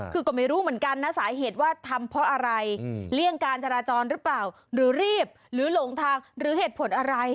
คือก็ไม่รู้เหมือนกันนะสาเหตุว่าทำเพราะอะไรเลี่ยงการจราจรหรือเปล่าหรือรีบหรือหลงทางหรือเหตุผลอะไร